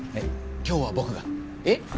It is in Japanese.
今日は僕がえッ？